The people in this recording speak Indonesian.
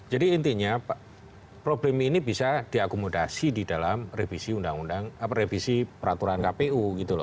jadi intinya problem ini bisa diakomodasi di dalam revisi peraturan kpu gitu loh